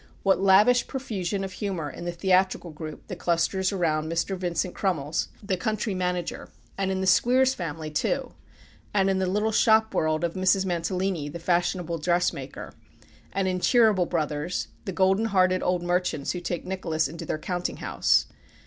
What lavish profusion of humour in the theatrical group that clusters round Mr. Vincent Crummles, the country manager; and in the Squeers family too; and in the little shop world of Mrs. Mantalini, the fashionable dressmaker; and in Cheeryble Brothers, the golden hearted old merchants who take Nicholas into their counting house.